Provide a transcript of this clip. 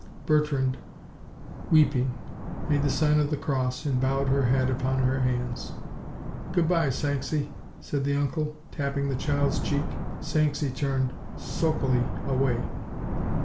Bertrande, weeping, made the sign of the cross, and bowed her head upon her hands. "Good bye, Sanxi," said the uncle, tapping the child's,' cheek. Sanxi turned sulkily away.